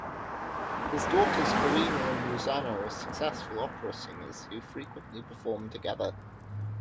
His daughters Karina and Ruzanna are successful opera singers who frequently perform together.